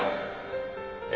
え？